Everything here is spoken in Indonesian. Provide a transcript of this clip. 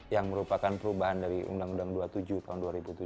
yang merupakan perubahan dari undang undang dua puluh tujuh tahun dua ribu tujuh belas